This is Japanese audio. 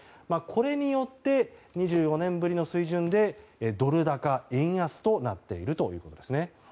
これによって２４年ぶりの水準でドル高円安となっているということですね。